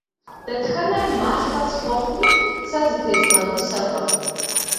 Дэтхэнэр малъхъэ схуэхъуми, сэ зытезгъэгусэркъым.